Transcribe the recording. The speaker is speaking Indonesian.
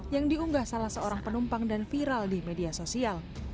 yang diunggah salah seorang penumpang dan viral di media sosial